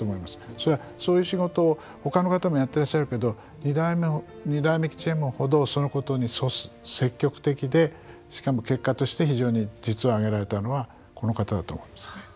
それはそういう仕事をほかの方もやってらっしゃるけど二代目吉右衛門ほどそのことに積極的でしかも結果として非常に実を挙げられたのはこの方だと思いますね。